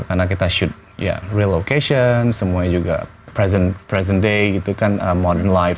karena kita shoot ya real location semuanya juga present day gitu kan modern life